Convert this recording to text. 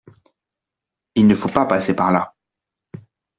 Il ne faut pas passer par là.